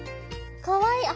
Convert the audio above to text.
かわいい。